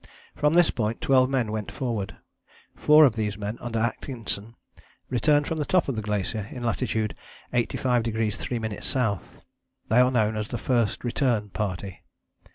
From this point twelve men went forward. Four of these men under Atkinson returned from the top of the glacier in latitude 85° 3´ S.: they are known as the First Return Party.